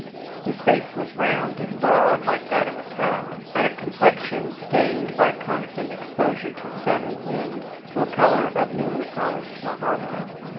His face was round and broad, like that of a cat, and a complexion stained, by constant exposure to the sun and wind, to a color of newly polished mahogany.